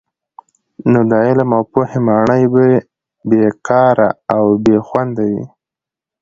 نو د علم او پوهي ماڼۍ به بې کاره او بې خونده وي.